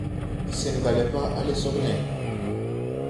Sɛn gà le pa, alɛ sogne.